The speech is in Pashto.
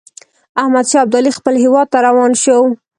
احمدشاه ابدالي خپل هیواد ته روان شو.